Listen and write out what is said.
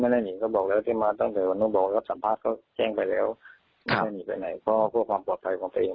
ไม่ได้หนีไปไหนก็เพราะความปลอดภัยของตัวเอง